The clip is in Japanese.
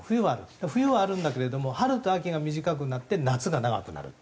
冬はあるんだけれども春と秋が短くなって夏が長くなる。